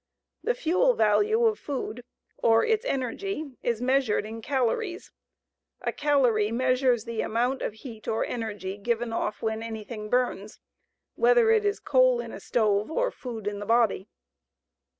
The fuel value of food, or its energy, is measured in calories. A calorie measures the amount of heat or energy given off when anything burns, whether it is coal in a stove or food in the body.